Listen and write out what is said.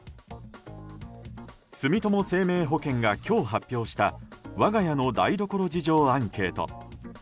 住友生命保険が今日発表した我が家の台所事情アンケート。